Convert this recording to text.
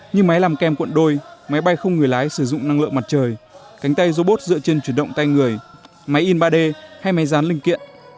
như máy làm kem quận đôi máy bay không người lái sử dụng năng lượng mặt trời cánh tay robot dựa trên chuyển động tay người máy in ba d hay máy rán linh kiện